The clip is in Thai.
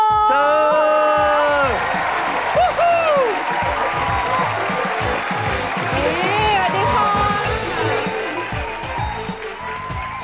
อุ๊ยสวัสดีครับ